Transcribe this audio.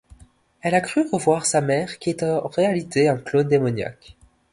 Elle a cru revoir sa mère qui est en réalité un clone démoniaque.